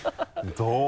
どう？